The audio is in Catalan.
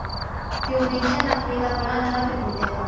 Diumenge na Frida vol anar a la biblioteca.